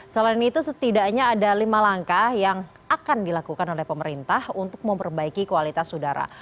selain itu setidaknya ada lima langkah yang akan dilakukan oleh pemerintah untuk memperbaiki kualitas udara